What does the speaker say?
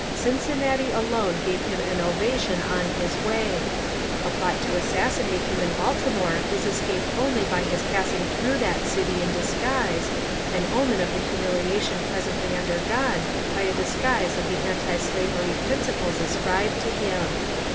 Cincinnati alone gave him an ovation on his way. A plot to assassinate him in Baltimore was escaped only by his passing through that city in disguise, an omen of the humili ation presently undergone by a disguise of the antislavery principles ascribed to him.